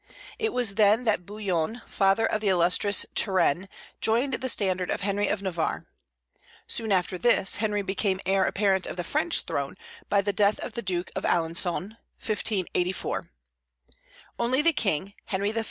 It was then that Bouillon, father of the illustrious Turenne, joined the standard of Henry of Navarre. Soon after this, Henry became heir apparent of the French throne, by the death of the Duke of Alençon, 1584. Only the King, Henry III.